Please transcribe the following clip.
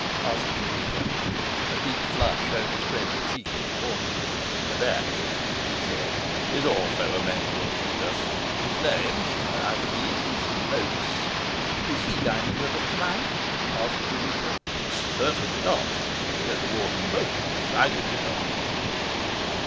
asked Zuleika. A deep flush overspread the cheek of the Warden. "That," he said, "is also a member of Judas. His name, I believe, is Noaks." "Is he dining with us to night?" asked Zuleika. "Certainly not," said the Warden. "Most decidedly not."